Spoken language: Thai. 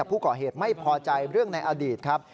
ผู้ก่อเหตุไม่พอใจเรื่องในอดีตครับ